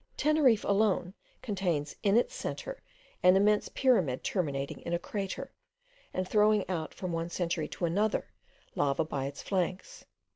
Teneriffe alone contains in its centre an immense pyramid terminating in a crater, and throwing out, from one century to another, lava by its flanks.